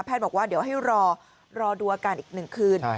บอกว่าเดี๋ยวให้รอดูอาการอีก๑คืน